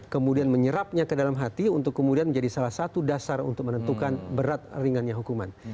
kemudian menyerapnya ke dalam hati untuk kemudian menjadi salah satu dasar untuk menentukan berat ringannya hukuman